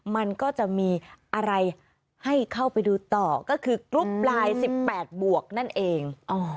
มันก็จะมีอะไรให้เข้าไปดูต่อก็คือกรุ๊ปไลน์๑๘บวกนั่นเอง